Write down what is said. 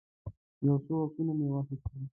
یو څو عکسونه مې واخیستل.